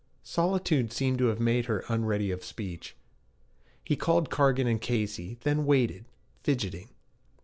Solitude seemed to have made her unready of speech. He called Cargan & Casey, then waited, fidgeting.